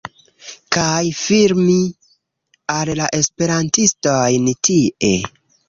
kaj filmi al la esperantistojn tie